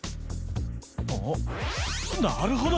「あっなるほど！」